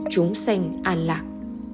chúng sanh an lạc